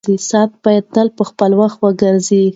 ساعت باید تل په خپل وخت وګرځي.